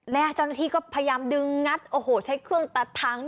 และเจ้าหน้าที่ก็พยายามดึงงัดโอ้โหใช้เครื่องตัดทาง